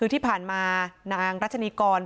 คือที่ผ่านมานางรัชนีกร